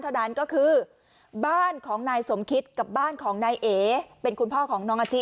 เท่านั้นก็คือบ้านของนายสมคิตกับบ้านของนายเอ๋เป็นคุณพ่อของน้องอาชิ